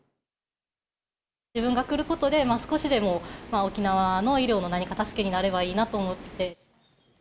自分が来ることで、少しでも沖縄の医療の何か助けになればいいなと思って。